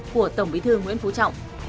của tổng bí thư nguyễn phú trọng